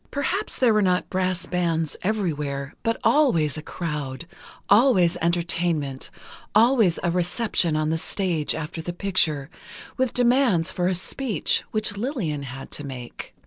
Perhaps there were not brass bands everywhere, but always a crowd, always entertainment, always a reception on the stage after the picture, with demands for a speech, which Lillian had to make.